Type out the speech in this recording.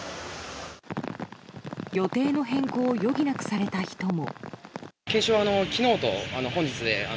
予定の変更を余儀なくされた人も。